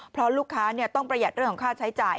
เพราะลูกค้าต้องประหยัดเรื่องของค่าใช้จ่าย